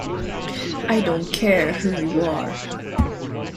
I don't care who you are.